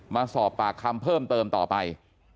มาสอบปากคำเพิ่มเติมต่อไป